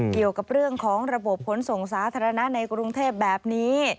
เกี่ยวกับเรื่องของระบบขนส่งสาธารณะในกรุงเทพแบบนี้